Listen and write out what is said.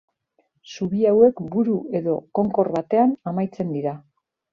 Zubi hauek buru edo konkor batean amaitzen dira.